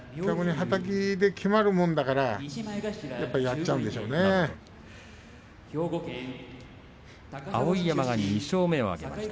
はたきできまるもんですから碧山、２勝目を挙げました。